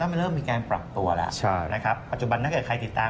ต้องไม่เริ่มมีการปรับตัวแล้วนะครับปัจจุบันถ้าใครติดตาม